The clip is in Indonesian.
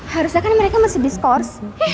harusnya kan mereka masih di skors